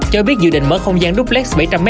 cho biết dự định mở không gian duplex bảy trăm linh m hai